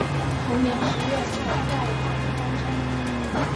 同年十月派在大门当差。